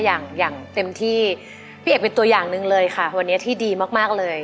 อย่างอย่างเต็มที่พี่เอกเป็นตัวอย่างหนึ่งเลยค่ะวันนี้ที่ดีมากมากเลย